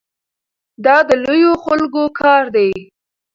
دا د لویو خلکو کار دی.